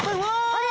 あれ？